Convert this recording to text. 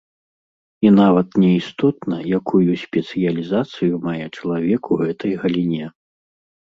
І нават не істотна, якую спецыялізацыю мае чалавек у гэтай галіне.